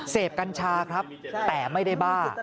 กัญชาครับแต่ไม่ได้บ้า